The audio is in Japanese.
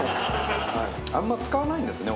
あんまり使わないんですね。